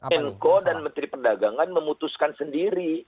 menko dan menteri perdagangan memutuskan sendiri